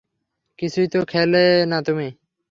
কিছুই তো খেলে না তুমি।